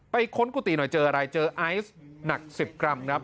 ค้นกุฏิหน่อยเจออะไรเจอไอซ์หนัก๑๐กรัมครับ